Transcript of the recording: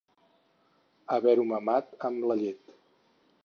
Haver-ho mamat amb la llet.